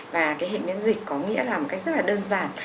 và cái hệ miễn dịch có nghĩa là một cách rất là đơn giản